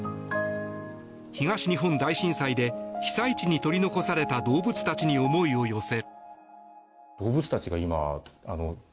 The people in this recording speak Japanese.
東日本大震災で被災地に取り残された動物たちに思いを寄せ。